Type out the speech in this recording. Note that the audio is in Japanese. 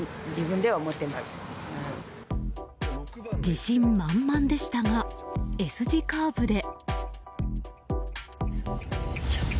自信満々でしたがＳ字カーブで。